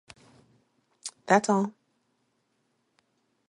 That’s all!